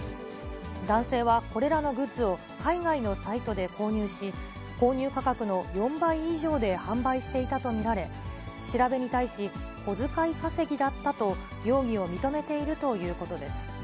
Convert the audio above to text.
男性はこれらのグッズを海外のサイトで購入し、購入価格の４倍以上で販売していたと見られ、調べに対し、小遣い稼ぎだったと、容疑を認めているということです。